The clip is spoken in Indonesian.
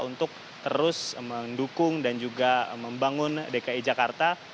untuk terus mendukung dan juga membangun dki jakarta